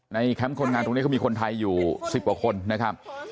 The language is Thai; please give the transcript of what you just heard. แคมป์คนงานตรงนี้เขามีคนไทยอยู่๑๐กว่าคนนะครับ